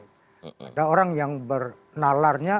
ada orang yang bernalarnya